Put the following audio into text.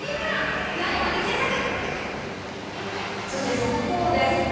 そして、速報です。